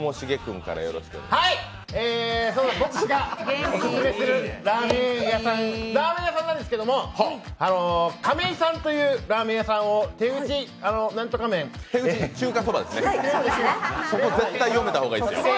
僕がオススメするラーメン屋さんなんですけどかめ囲さんというラーメン屋さんを、なんとか麺をそこ絶対読めた方がいいですよ。